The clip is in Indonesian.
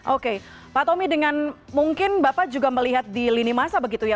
oke pak tommy dengan mungkin bapak juga melihat di lini masa begitu ya